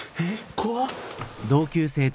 怖っ！